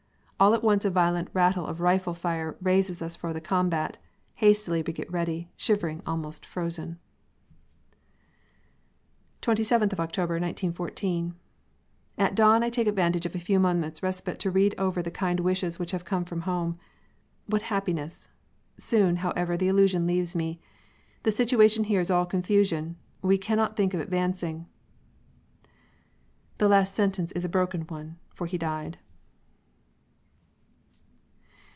All at once a violent rattle of rifle fire raises us for the combat; hastily we get ready, shivering, almost frozen." Twenty seventh of October, 1914: "At dawn I take advantage of a few moments' respite to read over the kind wishes which have come from home. What happiness! Soon, however, the illusion leaves me. The situation here is still all confusion; we cannot think of advancing " The last sentence is a broken one. For he died.